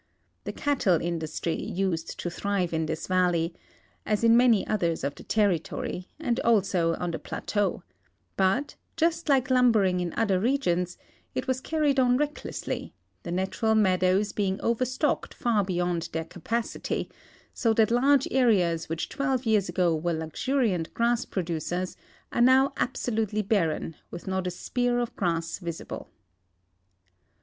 * The cattle industry used to thrive in this valley, as in many others of the territory, and also on the plateau ; but, just like luml)ering in other regions, it was carried on recklessly, the natural meadows being overstocked far beyond their capacity ; so that large areas which twelve years ago were luxuriant grass producers are now absolutely l)arren, with not a spear of grass visible.